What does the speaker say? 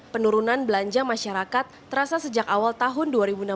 penurunan belanja masyarakat terasa sejak awal tahun dua ribu enam belas